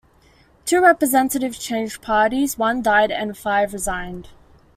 Two representatives changed parties, one died, and five resigned.